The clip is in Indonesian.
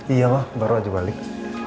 iya lah baru aja balik